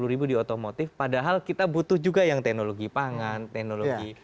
satu ratus tiga puluh ribu di otomotif padahal kita butuh juga yang teknologi pangan teknologi